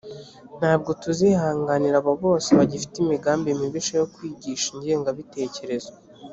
ntabwo tuzanihanganira abo bose bagifite imigambi mibisha yo kwigisha ingengabitekerezo